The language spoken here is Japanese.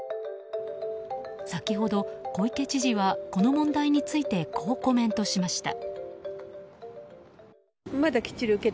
先ほど小池知事はこの問題についてこうコメントしました。